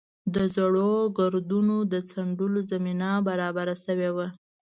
د زړو ګردونو د څنډلو زمینه برابره شوې وه.